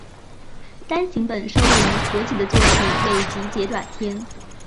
单行本收录于合集的作品未集结短篇